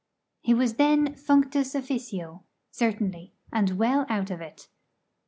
He was then functus officio certainly, and well out of it.